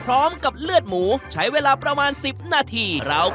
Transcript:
เลยก็คือว่านั่นค่ะแม่